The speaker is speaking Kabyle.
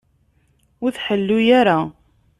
Ur tḥellu ara.